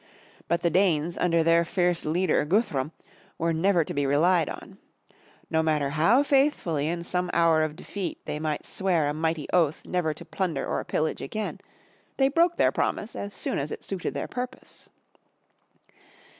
But the Danes under their fierce leader, Guth'rum, were never to be relied on. No matter how faithfully in some hour of defeat, they might swear a mighty oath never to plunder or pillage again, they broke their promise as soon as it suited their purpose.